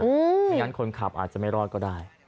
ไม่งั้นคนขับอาจจะไม่รอดก็ได้